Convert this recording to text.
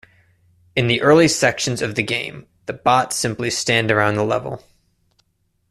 In the early sections of the game, the bots simply stand around the level.